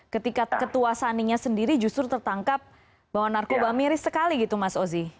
ketika ketua saninya sendiri justru tertangkap bahwa narkoba miris sekali gitu mas ozi